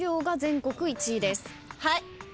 はい！